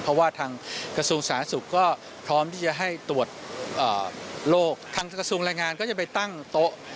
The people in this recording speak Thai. เพราะว่าทางกระทรวงสาธารณสุขก็พร้อมที่จะให้ตรวจโรคทางกระทรวงแรงงานก็จะไปตั้งโต๊ะ